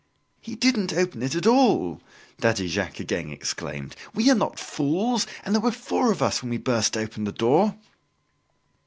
"He didn't open it at all!" Daddy Jacques again exclaimed. "We are not fools; and there were four of us when we burst open the door!"